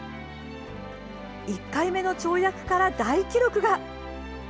１回目の跳躍から大記録が。